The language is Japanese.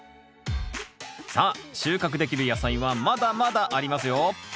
さあ収穫できる野菜はまだまだありますよ